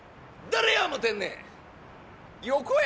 誰や思うてんねん！